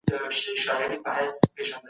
د زکات نه علاوه نورې صدقې هم سته.